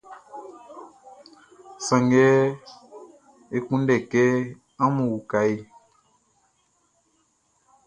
Sanngɛ e kunndɛ kɛ amun uka e.